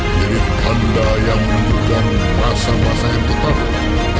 menyedihkan anda yang menunjukkan rasa rasa yang tetap